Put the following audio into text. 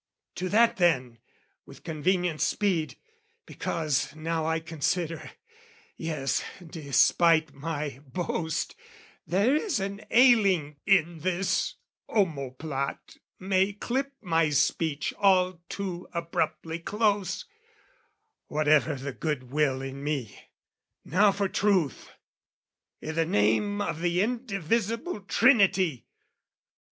To that then, with convenient speed, because Now I consider, yes, despite my boast, There is an ailing in this omoplat May clip my speech all too abruptly close, Whatever the good will in me. Now for truth! I' the name of the indivisible Trinity!